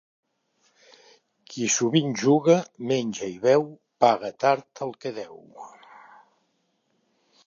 Qui sovint juga, menja i beu paga tard el que deu.